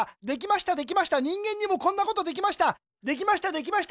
できましたできました人間にもこんなことできました